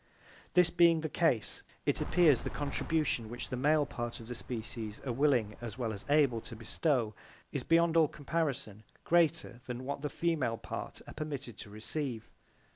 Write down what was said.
This being the case, it appears the contribution which the male part of the species are willing as well as able to bestow is beyond all comparison greater than what the female part are permitted to receive.